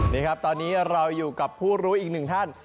นี่ครับตอนนี้เราอยู่กับผู้รู้อีกหนึ่งท่าน